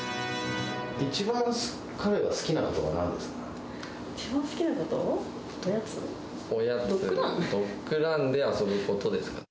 一番、彼が好きなことはなんですか？